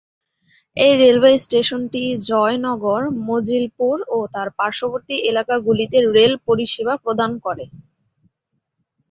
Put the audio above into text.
এই রেলওয়ে স্টেশনটি জয়নগর মজিলপুর ও তার পার্শ্ববর্তী এলাকাগুলিতে রেল পরিষেবা প্রদান করে।